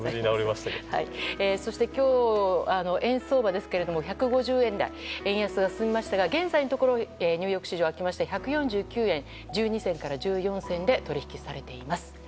そして今日、円相場ですが１５０円台まで円安が進みましたが現在のところニューヨーク市場が開きまして１４９円、１２銭から１４銭で取引されています。